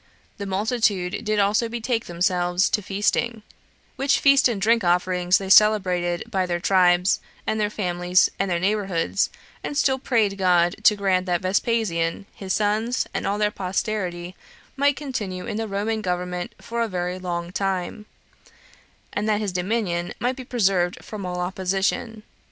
The multitude did also betake themselves to feasting; which feasts and drink offerings they celebrated by their tribes, and their families, and their neighborhoods, and still prayed God to grant that Vespasian, his sons, and all their posterity, might continue in the Roman government for a very long time, and that his dominion might be preserved from all opposition.